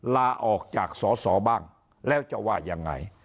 ลาออกจากสอสอบ้างแล้วจะว่ายังไง